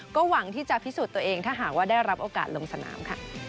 ก็หวังที่จะพิสูจน์ตัวเองถ้าหากว่าได้รับโอกาสลงสนามค่ะ